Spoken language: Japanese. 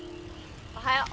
おはよう。